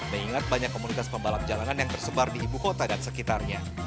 mengingat banyak komunitas pembalap jalanan yang tersebar di ibu kota dan sekitarnya